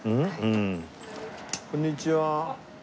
こんにちは。